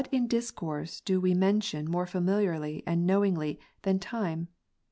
235 discourse do we mention more familiarly and knowingly, than time